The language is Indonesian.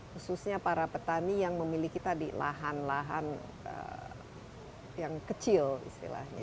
khususnya para petani yang memiliki tadi lahan lahan yang kecil istilahnya